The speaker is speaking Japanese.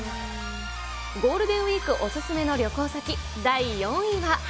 ゴールデンウィークお勧めの旅行先、第４位は。